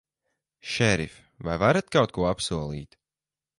Šerif, vai varat kaut ko apsolīt?